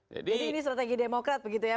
jadi ini strategi demokrat begitu ya